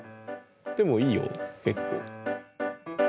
でもいいよ結構。